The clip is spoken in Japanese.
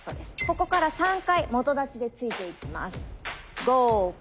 ここから３回基立ちで突いていきます。